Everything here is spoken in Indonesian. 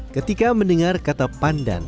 ketika mendengar kata pandan